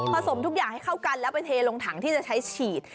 สมทุกอย่างให้เข้ากันแล้วไปเทลงถังที่จะใช้ฉีด